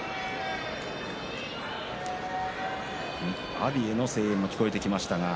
阿炎への声援も聞こえてきました。